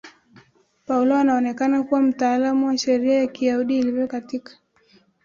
Paulo anaonekana kuwa mtaalamu wa Sheria ya Kiyahudi ilivyo katika